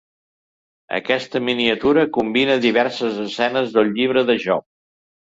Aquesta miniatura combina diverses escenes del llibre de Job.